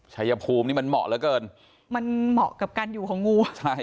ชัยภูมิมันเหมาะแล้วเกินมันเหมาะกับการอยู่ของงู